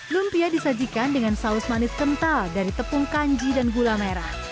lumpia disajikan dengan saus manis kental dari tepung kanji dan gula merah